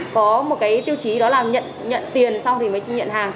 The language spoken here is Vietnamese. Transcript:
có một tiêu chí đó là nhận tiền sau thì mới nhận hàng